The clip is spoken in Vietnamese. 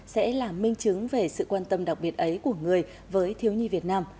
sẽ là minh chứng về sự quan tâm đặc biệt ấy của người với thiếu nhi việt nam